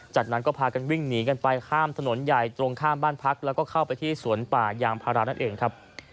จากนั้นก็พากันวิ่งหนีกันไปข้ามถนนใหญ่ตรงข้ามบ้านพักแล้วก็เข้าไปที่สวนป่ายางพารานั่นเองครับ